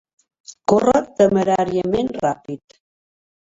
Corra temeràriament ràpid.